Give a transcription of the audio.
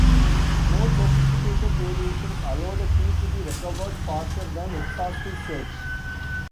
More sophisticated variations allow the key to be recovered faster than exhaustive search.